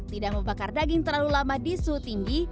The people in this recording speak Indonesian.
tidak membakar daging terlalu lama di suhu tinggi